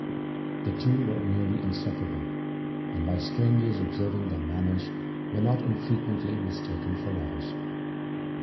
The two were nearly inseparable, and by strangers observing their manners were not infrequently mistaken for lovers.